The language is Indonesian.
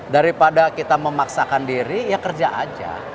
daripada kita memaksakan diri ya kerja aja